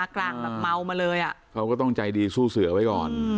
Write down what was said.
เขาก็ต้องใจดีสู้เสือไว้ก่อน